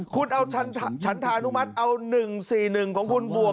คุณเอาฉันธานุมัติเอา๑๔๑ของคุณบวก